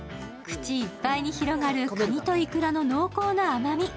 口いっぱいに広がる、かにとイクラの濃厚な甘み。